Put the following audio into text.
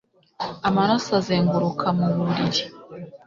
Amaraso azenguruka mu mubiri.